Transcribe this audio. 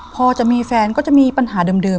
พอจะมีแฟนก็จะมีปัญหาเดิม